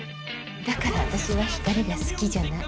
だから私は光が好きじゃない。